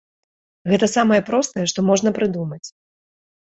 Гэта самае простае, што можна прыдумаць.